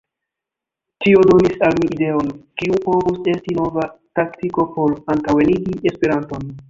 Tio donis al mi ideon, kiu povus esti nova taktiko por antaŭenigi Esperanton.